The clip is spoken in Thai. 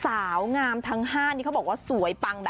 สาวงามทั้ง๕นี่เขาบอกว่าสวยปังแบบ